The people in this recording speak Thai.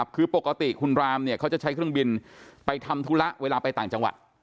คือปกติคุณรามเนี่ยเขาจะใช้เครื่องบินไปทำธุระเวลาไปต่างจังหวัด